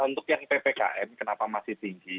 untuk yang ppkm kenapa masih tinggi